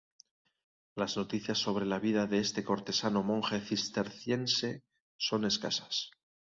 Las noticias sobre la vida de este cortesano monje cisterciense son escasas.